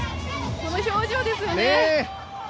この表情ですよね。